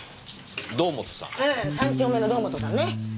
ええ３丁目の堂本さんね。